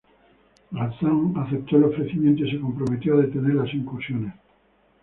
Ghazan aceptó el ofrecimiento y se comprometió a detener las incursiones.